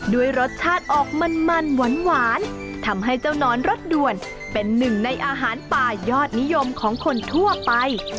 ด้วยรสชาติออกมันมันหวานทำให้เจ้านอนรสด่วนเป็นหนึ่งในอาหารป่ายอดนิยมของคนทั่วไป